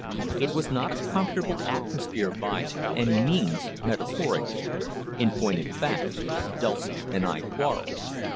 It was not a comfortable atmosphere by any means metaphorically. In point of fact, Dulcie and I quarrelled.